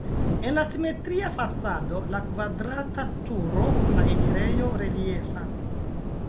En la simetria fasado la kvadrata turo kun la enirejo reliefas.